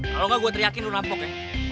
kalau gak gue teriakin lo nampok ya